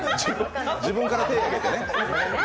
自分から手を挙げてね。